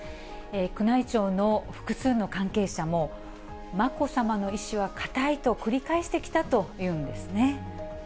宮内庁の複数の関係者も、まこさまの意思は固いと繰り返してきたというんですね。